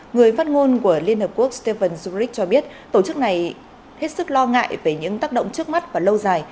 người phát ngôn của liên hợp quốc stephen zurich cho biết tổ chức này hết sức lo ngại về những tác động trước mắt và lâu dài